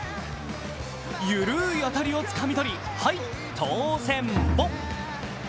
緩い当たりをつかみとり、はい、通せんぼ。